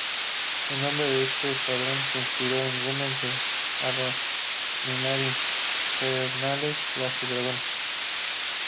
El nombre de este escuadrón inspiró a Güemes a denominar "infernales" a sus dragones.